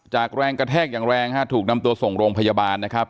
แรงกระแทกอย่างแรงฮะถูกนำตัวส่งโรงพยาบาลนะครับ